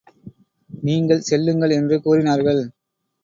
நீங்கள் செல்லுங்கள்! என்று கூறினார்கள்.